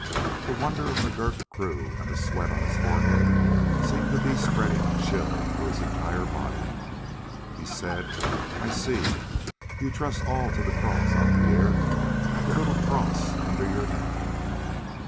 The wonder of McGurk grew and the sweat on his forehead seemed to be spreading a chill through his entire body. He said: "I see. You trust all to the cross, eh, Pierre? The little cross under your neck?"